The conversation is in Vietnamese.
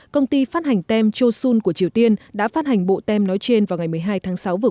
công ty phát hành tem chosun của triều tiên đã phát hành bộ tem nói trên vào ngày một mươi hai tháng sáu vừa